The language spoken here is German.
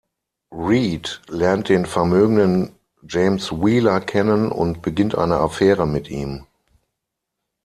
Reed lernt den vermögenden James Wheeler kennen und beginnt eine Affäre mit ihm.